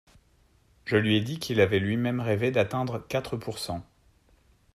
Je lui ai dit qu’il avait lui-même rêvé d’atteindre quatre pourcent.